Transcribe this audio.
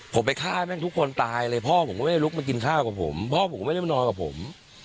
ผมไปฆ่าให้แม่งทุกคนตายเลยพ่อผมก็ไม่ได้ลุกมากินข้าวกับผมพ่อผมก็ไม่ได้มานอนกับผม